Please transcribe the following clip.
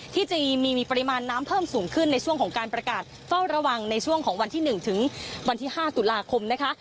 ที่จะมีปริมาณน้ำเพิ่มสูงขึ้นในช่วงของการประกาศเฝ้าระวังในช่วงของวันที่๑ถึงวันที่๕ตุลาคมนะคะ